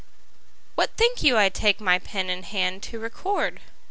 WHAT think you I take my pen in hand to record?